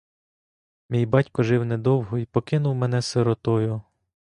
Мій батько жив недовго й покинув мене сиротою.